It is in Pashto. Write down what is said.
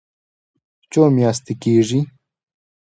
څو میاشتې کیږي؟